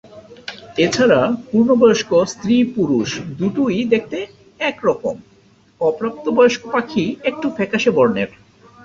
এছাড়া পূর্ণবয়স্ক স্ত্রী-পুরুষ দুটোই দেখতে একরকম; অপ্রাপ্তবয়স্ক পাখি একটু ফ্যাকাসে বর্ণের।